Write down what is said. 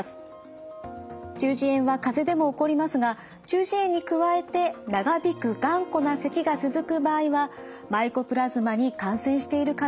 中耳炎はかぜでも起こりますが中耳炎に加えて長引く頑固なせきが続く場合はマイコプラズマに感染している可能性が疑われます。